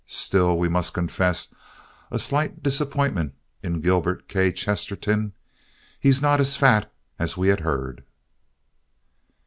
Still, we must confess a slight disappointment in Gilbert K. Chesterton. He's not as fat as we had heard.